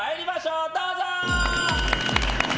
どうぞ。